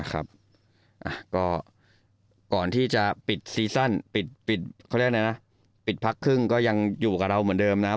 ก็ก่อนที่จะปิดซีซั่นปิดพักครึ่งก็ยังอยู่กับเราเหมือนเดิมนะ